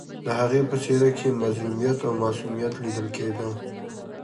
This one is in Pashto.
د هغې په څېره کې مظلومیت او معصومیت لیدل کېده